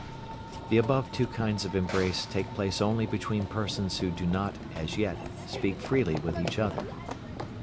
The above two kinds of embrace takes place only between persons who do not, as yet, speak freely with each other.